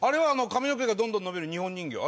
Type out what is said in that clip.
髪の毛がどんどん伸びる日本人形。